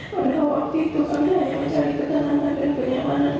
padahal waktu itu saya hanya mencari ketenangan dan kenyamanan